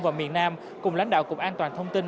vào miền nam cùng lãnh đạo cục an toàn thông tin